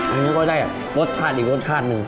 อันนี้ก็ได้รสชาติอีกรสชาติหนึ่ง